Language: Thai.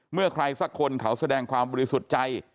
เมื่อใครสักคนเขาแสดงความบริสุทธิ์ใจ